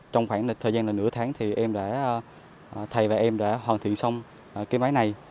trong khoảng thời gian nửa tháng thầy và em đã hoàn thiện xong máy này